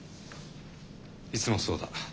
いつもそうだ。